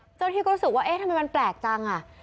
เจ้าหน้าที่ก็รู้สึกว่าเอ๊ะทำไมมันแปลกจังอ่ะ